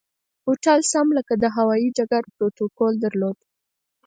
هوټل سم لکه د هوایي ډګر پروتوکول درلود.